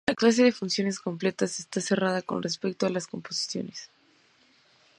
La clase de funciones completas está cerrada con respecto a las composiciones.